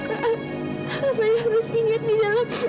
kak fadil harus ingat di dalam